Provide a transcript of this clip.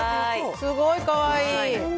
すごいかわいい。